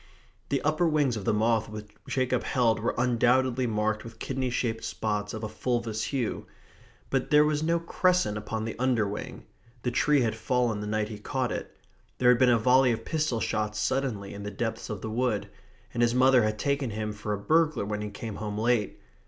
The upper wings of the moth which Jacob held were undoubtedly marked with kidney shaped spots of a fulvous hue. But there was no crescent upon the underwing. The tree had fallen the night he caught it. There had been a volley of pistol shots suddenly in the depths of the wood. And his mother had taken him for a burglar when he came home late.